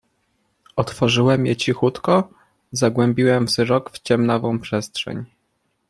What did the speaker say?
"Otworzyłem je cichutko i zagłębiłem wzrok w ciemnawą przestrzeń."